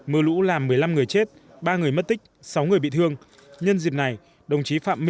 mưa lũ làm một mươi năm người chết ba người mất tích sáu người bị thương